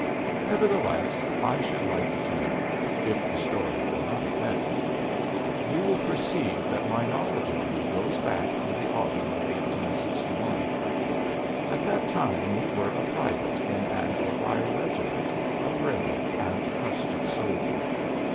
"Nevertheless I should like you to know if the story will not offend. You will perceive that my knowledge of you goes back to the autumn of 1861. At that time you were a private in an Ohio regiment a brave and trusted soldier.